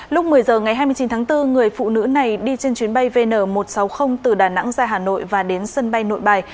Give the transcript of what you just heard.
lúc một mươi h ngày hai mươi chín tháng bốn người phụ nữ này đi trên chuyến bay vn một trăm sáu mươi từ đà nẵng ra hà nội và đến sân bay nội bài